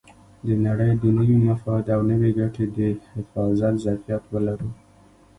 د نړۍ د نوي مفاد او نوې ګټې د حفاظت ظرفیت ولرو.